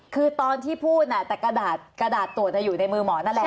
คือตอนที่พูดแต่กระดาษตรวจอยู่ในมือหมอนั่นแหละ